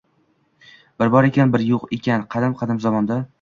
Bir bor ekan, bir yo‘q ekan, qadim-qadim zamonda...